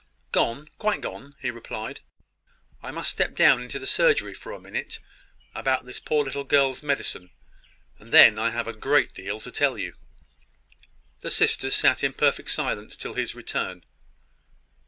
"Gone, quite gone," he replied. "I must step down into the surgery for a minute, about this poor little girl's medicine; and then I have a great deal to tell you." The sisters sat in perfect silence till his return.